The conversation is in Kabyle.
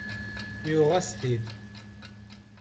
Yuɣ-as-t-id.